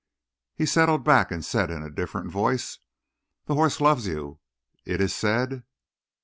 He settled back and said in a different voice: "The horse loves you; it is said."